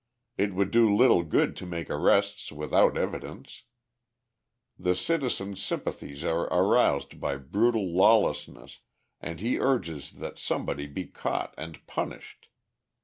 It would do little good to make arrests without evidence. The citizen's sympathies are aroused by brutal lawlessness, and he urges that somebody be caught and punished.